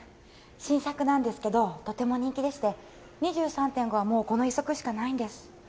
新作なんですけどとても人気でして２３．５はもうこの１足しかないんです。